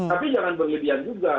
tapi jangan berlebihan juga